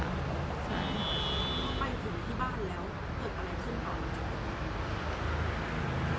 ไปถึงที่บ้านแล้วเกิดอะไรขึ้นต่อ